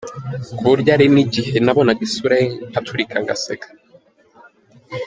Ku buryo hari n’igihe nabonaga isura ye nkaturika ngaseka.